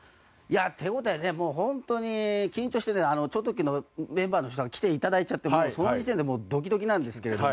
手応え、本当に緊張して超特急のメンバーの人に来ていただいちゃってその時点でドキドキなんですけれども。